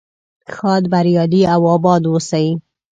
ښاد بریالي او اباد اوسئ.